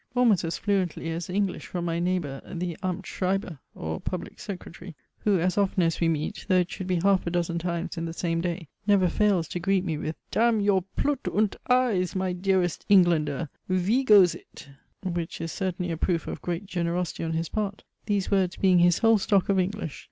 almost as fluently as English from my neighbour the Amtsschreiber, (or public secretary,) who as often as we meet, though it should be half a dozen times in the same day, never fails to greet me with " ddam your ploot unt eyes, my dearest Englander! vhee goes it!" which is certainly a proof of great generosity on his part, these words being his whole stock of English.